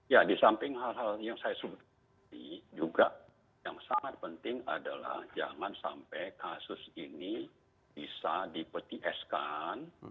ya di samping hal hal yang saya sebut juga yang sangat penting adalah jangan sampai kasus ini bisa dipetieskan